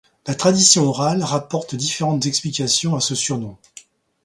La tradition orale rapporte différentes explications à ce surnom.